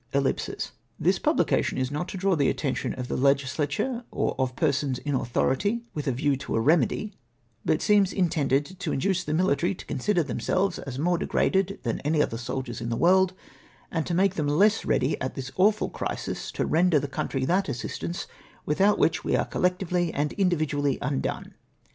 ''"ej; "' This publication is not to draw the attention of the legislature or of persons in authority ^' ///i avieivto aremedj, but seems intended to induce the military to consider them selves as more degraded than any other soldiers in the world, and to make them less ready at this awfid crisis to render the country that assistance without which w^e are collectively and individuall}^ undone.